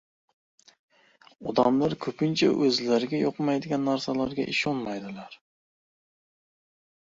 • Odamlar ko‘pincha o‘zlariga yoqmaydigan narsalarga ishonmaydilar.